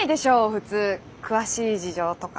普通詳しい事情とかさ。